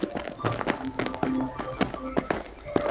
Su territorio limita con el estado nigeriano de Adamawa.